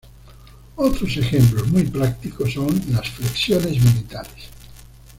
Otros ejemplo muy práctico son las flexiones militares.